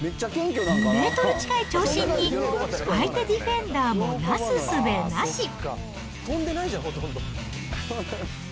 ２メートル近い長身に、相手ディフェンダーもなすすべなし。